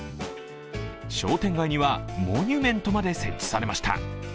商店街にはモニュメントまで設置されました。